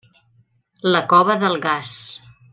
La cova d'Algars.